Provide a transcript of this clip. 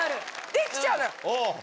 できちゃうのよ！